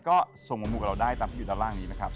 ก็ส่งมาหมู่กับเราได้ตามที่อยู่ด้านล่างนี้นะครับ